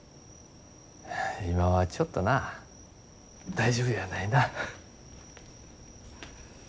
今はちょっとな大丈夫やないな。